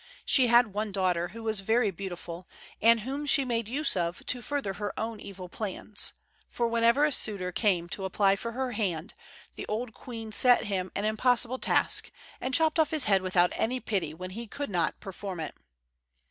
She had one daughter who was very beautiful, and whom she made use of to further her own evil plans; for, whenever a suitor came to apply for her hand, the old queen set him an impossible task, and chopped off his head without any pity when he could not perform it.